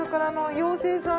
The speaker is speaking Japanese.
妖精さん！